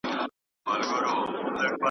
یو پر بل به یې حملې سره کولې .